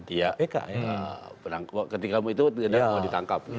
iya ketika itu sudah ditangkap